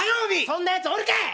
そんなやつおるかい！